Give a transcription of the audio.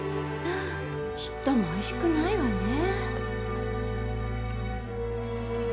ちっともおいしくないわね。